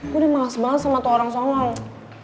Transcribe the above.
gue udah malas banget sama tuh orang somong